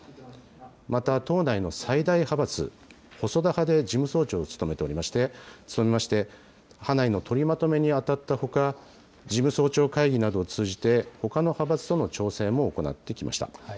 また、党内の最大派閥、細田派で事務総長を務めまして、派内の取りまとめに当たったほか、事務総長会議などを通じてほかの派閥との調整も行ってきました。